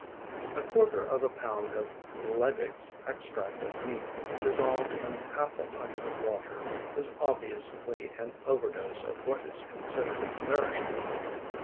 A quarter of a pound of Liebig's Extract of Meat dissolved in half a pint of water is obviously an over dose of what is considered nourishment.